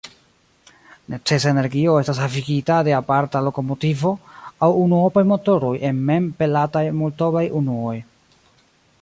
Necesa energio estas havigita de aparta lokomotivo aŭ unuopaj motoroj en mem-pelataj multoblaj unuoj.